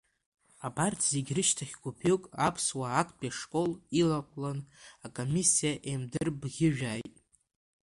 Абарҭ зегь рышьҭахь гәыԥҩык аԥсуаа актәи ашкол илақәлан акомиссиа еимдырбӷьыжәааит.